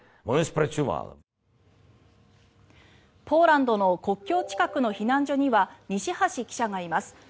ポーランドの国境近くの避難所には西橋記者がいます。